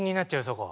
そこ。